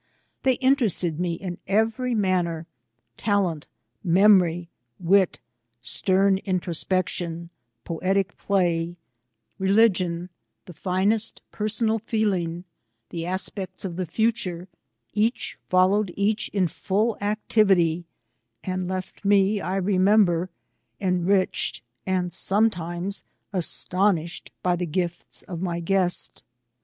They interested me in every manner; — talent, memory, wit, stern introspection, poetic play, religion, the finest personal feeling, the aspects of the future, each followed each in full activity, and left me, I remember, enriched and sometimes astonished by the gifts of my guest.